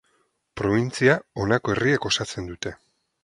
Probintzia honako herriek osatzen dute.